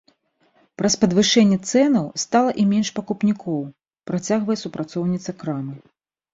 Праз падвышэнне цэнаў, стала і менш пакупнікоў, працягвае супрацоўніца крамы.